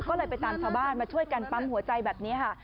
ก็เลยไปตามชาวบ้านมาช่วยกันปั๊มหัวใจแบบนี้ค่ะ